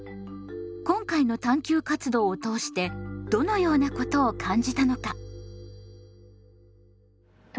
今回の探究活動を通してどのようなことを感じたのか？